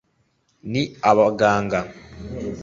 ni abaganga